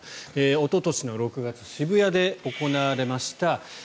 おととしの６月渋谷で行われました。